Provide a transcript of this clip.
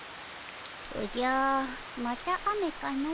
おじゃまた雨かの。